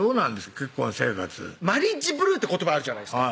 結婚生活マリッジブルーって言葉あるじゃないですか